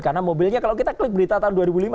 karena mobilnya kalau kita klik berita tahun dua ribu lima